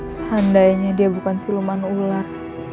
seandainya dia bukan si luma ular